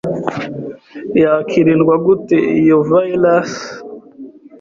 Yakwirindwa gute iyo virus